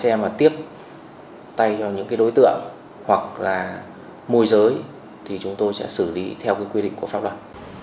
các tài xế lái xe tiếp tay vào những đối tượng hoặc môi giới thì chúng tôi sẽ xử lý theo quy định của pháp luật